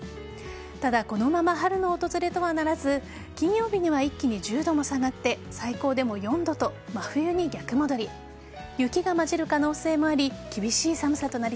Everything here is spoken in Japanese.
ただこのまま春の訪れとはならず金曜日には一気に１０度も下がって最高でも４度と真冬に逆戻り。